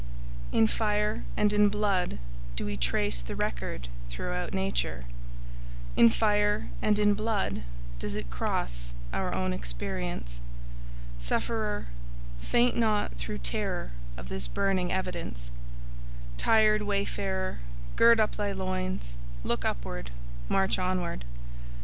In fire and in blood do we trace the record throughout nature. In fire and in blood does it cross our own experience. Sufferer, faint not through terror of this burning evidence. Tired wayfarer, gird up thy loins; look upward, march onward.